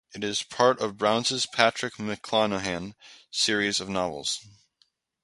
It is part of Brown's Patrick McLanahan series of novels.